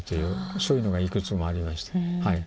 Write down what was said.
そういうのがいくつもありました。